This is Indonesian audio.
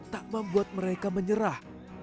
tak membuat mereka menyerah